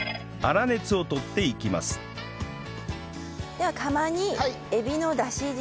では釜にエビのダシ汁。